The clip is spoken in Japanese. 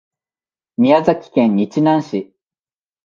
宮崎県日南市